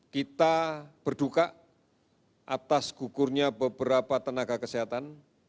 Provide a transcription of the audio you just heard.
kita berduka atas gugurnya beberapa tenaga kesehatan